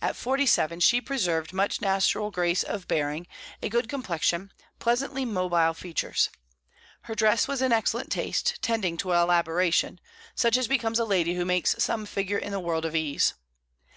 At forty seven she preserved much natural grace of bearing, a good complexion, pleasantly mobile features. Her dress was in excellent taste, tending to elaboration, such as becomes a lady who makes some figure in the world of ease.